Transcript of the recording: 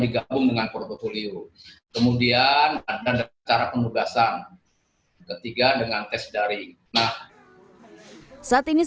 digabung dengan portfolio kemudian ada cara penugasan ketiga dengan tes daring nah saat ini